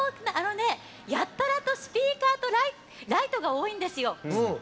やたらとスピーカーとライトが多いんです。